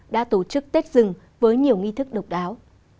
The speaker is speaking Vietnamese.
đã tổ chức tết rừng với nhiều nghi thức độc đáo